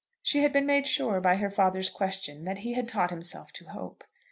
She had been made sure by her father's question that he had taught himself to hope.